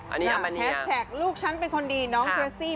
อันนี้วิลาปานีลูกฉันเป็นคนดีน้องเตรสซี่